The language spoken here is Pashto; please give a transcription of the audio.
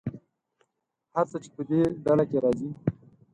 هر څه چې په دې ډله کې راځي.